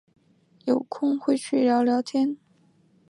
有空会去聊聊天